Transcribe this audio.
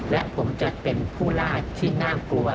และผมจะเป็นผู้ลาดที่น่ากลัว